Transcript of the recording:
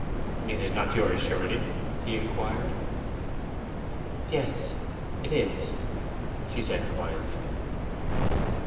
'It is not yours, surely?' he inquired. 'Yes, it is,' she said quietly.